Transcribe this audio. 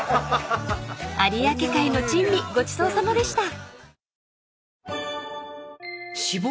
［有明海の珍味ごちそうさまでした］